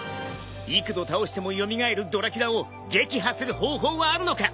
幾度倒しても蘇るドラキュラを撃破する方法はあるのか？